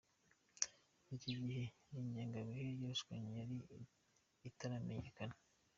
Icyo gihe n’ingengabihe y’irushanwa yari itaramenyekana.